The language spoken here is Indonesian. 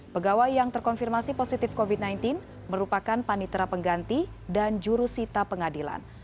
pegawai yang terkonfirmasi positif covid sembilan belas merupakan panitera pengganti dan jurusita pengadilan